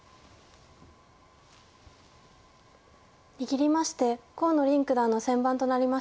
握りまして河野臨九段の先番となりました。